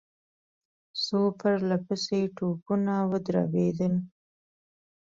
څو پرله پسې توپونه ودربېدل.